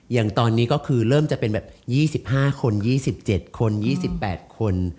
อย่างตอนนี้ก็คือเริ่มจะเป็นแบบ๒๕คน๒๗คน๒๘คน